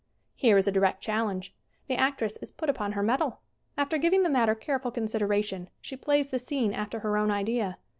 Here is a direct challenge. The actress is put upon her metal. After giving the matter careful consideration she plays the scene after her own idea.